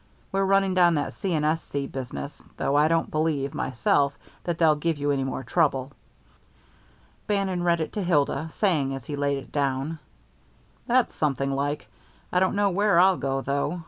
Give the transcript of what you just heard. We're running down that C. & S. C. business, though I don't believe, myself, that they'll give you any more trouble." Bannon read it to Hilda, saying as he laid it down: "That's something like. I don't know where'll I go, though.